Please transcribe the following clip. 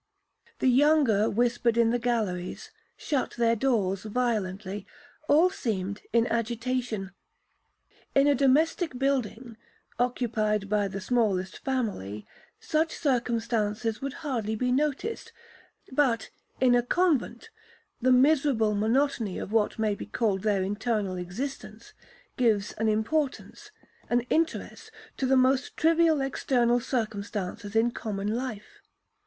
The younger whispered in the galleries,—shut their doors violently,—all seemed in agitation. In a domestic building, occupied by the smallest family, such circumstances would hardly be noticed, but, in a convent, the miserable monotony of what may be called their internal existence, gives an importance,—an interest, to the most trivial external circumstance in common life.